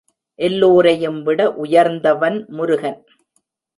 எல்லோரையும்விட உயர்ந்தவன் முருகன்.